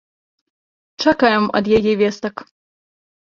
Чакаем ад яе вестак.